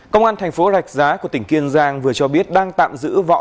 công an tp rạch giá của tỉnh kiên giang vừa cho biết đang tạm giữ võ trọng